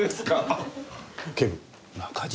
あっ警部中島